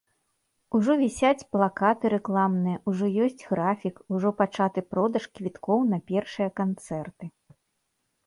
Ужо вісяць плакаты рэкламныя, ужо ёсць графік, ужо пачаты продаж квіткоў на першыя канцэрты.